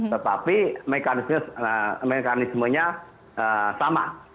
tetapi mekanismenya sama